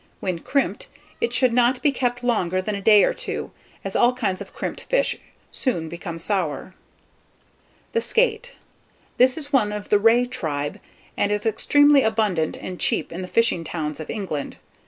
When crimped, it should not be kept longer than a day or two, as all kinds of crimped fish soon become sour. [Illustration: THORNBACK SKATE.] THE SKATE. This is one of the ray tribe, and is extremely abundant and cheap in the fishing towns of England.